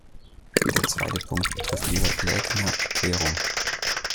Der zweite Punkt betrifft Ihre Laekener Erklärung.